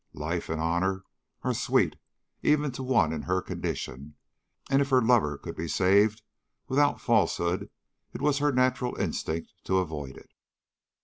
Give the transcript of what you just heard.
Life and honor are sweet even to one in her condition; and if her lover could be saved without falsehood it was her natural instinct to avoid it.